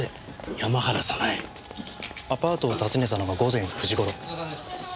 アパートを訪ねたのが午前９時頃。